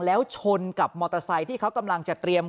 แล้วชนกับมอเตอร์ไซค์ที่เขากำลังจะเตรียม